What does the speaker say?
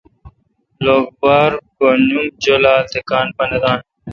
لوک بار گھن ام جولال تہ کان پا نہ دان۔